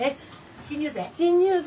新入生？